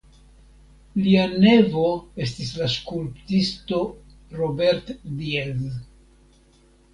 Lia nevo estis la skulptisto Robert Diez.